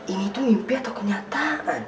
ini tuh mimpi atau kenyataan